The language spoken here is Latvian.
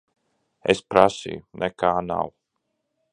Es prasīju. Nekā nav.